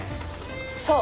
そう。